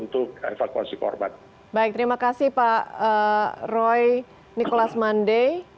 terima kasih pak roy nicholas mande